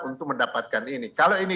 untuk mendapatkan ini kalau ini